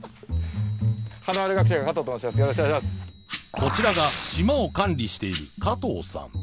こちらが島を管理している加藤さん